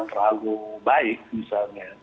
tidak terlalu baik misalnya